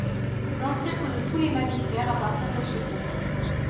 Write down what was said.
L’ancêtre de tous les mammifères appartient à ce groupe.